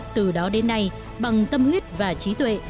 từ đó đến nay bằng tâm huyết và trí tuệ